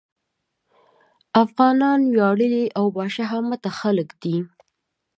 افغانان وياړلي او باشهامته خلک دي.